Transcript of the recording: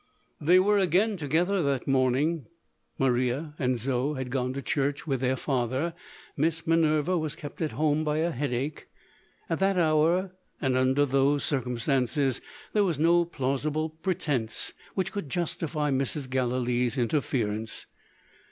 They were again together that morning. Maria and Zo had gone to church with their father; Miss Minerva was kept at home by a headache. At that hour, and under those circumstances, there was no plausible pretence which would justify Mrs. Gallilee's interference.